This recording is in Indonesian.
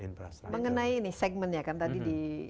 infrastructure mengenai segmennya kan tadi